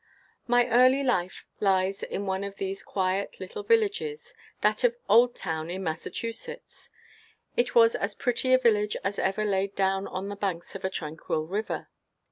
My early life lies in one of these quiet little villages, – that of Oldtown, in Massachusetts. It was as pretty a village as ever laid down on the banks of a tranquil river.